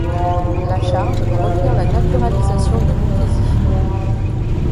La charge requiert la naturalisation de Luchesi.